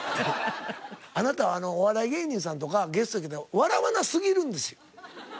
あなたお笑い芸人さんとかゲストで来て笑わなすぎるんですよ。